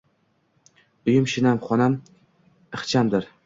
Uyim shinam xonam ixchamdir